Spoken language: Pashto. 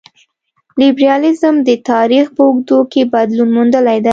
لېبرالیزم د تاریخ په اوږدو کې بدلون موندلی دی.